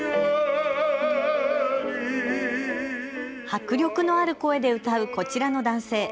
迫力のある声で歌うこちらの男性。